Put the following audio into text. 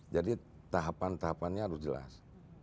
jadi tahapan tahapannya harus jelas